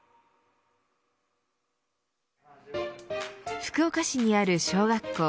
福岡市にある小学校